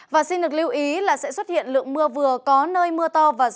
và xin được lưu ý là sẽ xuất hiện lượng mưa vừa có nơi mưa to và rông